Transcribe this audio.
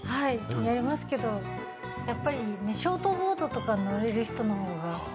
やりますけど、ショートボードとかに乗れる人の方が。